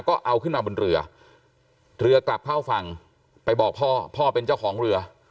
ก็เอาขึ้นมาบนเรือเรือกลับเข้าฝั่งไปบอกพ่อพ่อเป็นเจ้าของเรือ